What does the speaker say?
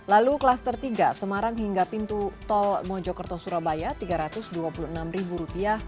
lalu klaster tiga semarang hingga pintu tol mojokerto surabaya rp tiga ratus dua puluh enam